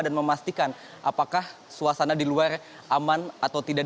dan memastikan apakah suasana di luar aman atau tidak